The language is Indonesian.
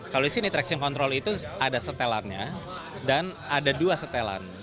kalau di sini traction control itu ada setelannya dan ada dua setelan